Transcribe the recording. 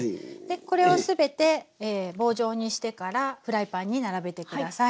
これを全て棒状にしてからフライパンに並べて下さい。